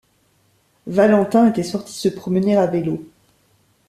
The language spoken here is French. Valentin était sorti se promener à vélo.